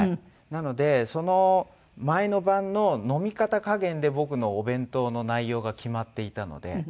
なのでその前の晩の飲み方加減で僕のお弁当の内容が決まっていたので。